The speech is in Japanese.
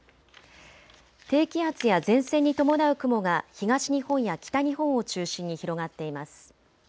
低気圧や前線に伴う雲が東日本や北日本を中心に広がっています。